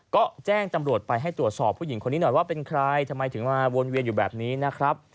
ก็แจ้งตำรวจไปให้ตรวจสอบผู้หญิงคนนี้หน่อยว่าเป็นใครทำไมถึงมาวนเวียนอยู่แบบนี้นะครับ